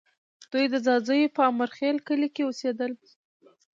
دوی د ځاځیو په امیرخېل کلي کې اوسېدل